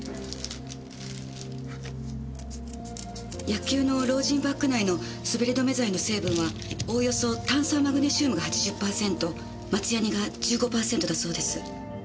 野球のロージンバッグ内の滑り止め剤の成分はおおよそ炭酸マグネシウムが８０パーセント松ヤニが１５パーセントだそうです。